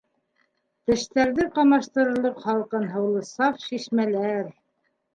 Тештәрҙе ҡамаштырырлыҡ һалҡын һыулы саф шишмәләр!